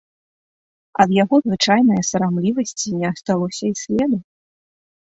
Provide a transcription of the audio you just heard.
Ад яго звычайнае сарамлівасці не асталося і следу.